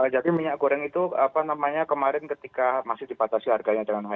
jadi minyak goreng itu apa namanya kemarin ketika masih dipatasi harganya dengan het